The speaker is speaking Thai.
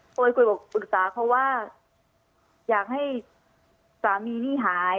คอยคุยบอกปรึกษาเขาว่าอยากให้สามีนี่หาย